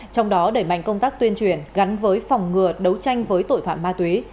trong đó đẩy mạnh công tác tuyên truyền gắn với phòng ngừa đấu tranh với tội phạm ma túy